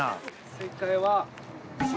正解は。